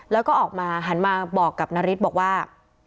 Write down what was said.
แล้วก็ออกมาหันมาบอกกับนาริสบอกว่า